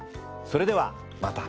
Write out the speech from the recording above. それではまた。